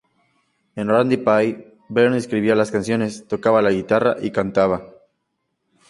En Randy Pie, Bernd escribía las canciones, tocaba la guitarra y cantaba.